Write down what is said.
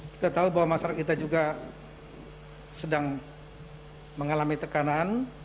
kita tahu bahwa masyarakat kita juga sedang mengalami tekanan